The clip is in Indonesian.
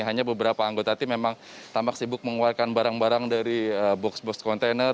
hanya beberapa anggota tim memang tampak sibuk mengeluarkan barang barang dari box box kontainer